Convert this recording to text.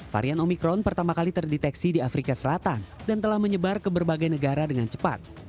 varian omikron pertama kali terdeteksi di afrika selatan dan telah menyebar ke berbagai negara dengan cepat